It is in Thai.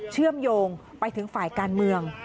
เชื่อมโยงไปถึงฝ่ายการเมือง